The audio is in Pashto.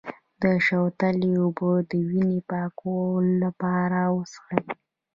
د شوتلې اوبه د وینې پاکولو لپاره وڅښئ